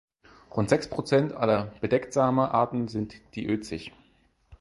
Rund sechs Prozent aller Bedecktsamer-Arten sind diözisch.